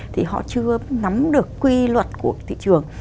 thì họ chưa nắm được quy luật của thị trường